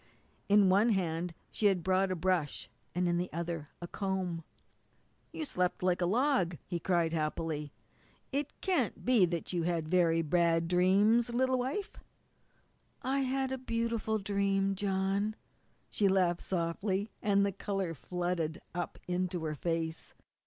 In one hand she had brought a brush and in the other a comb. "You slept like a log," he cried happily. "It can't be that you had very bad dreams, little wife?" "I had a beautiful dream, John," she laughed softly, and the colour flooded up into her face.